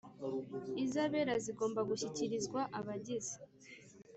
izabera Zigomba gushyikirizwa abagize